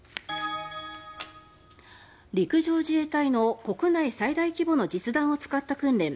陸上自衛隊の国内最大規模の実弾を使った訓練